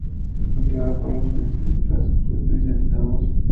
Es cultivada por los coleccionistas especializados.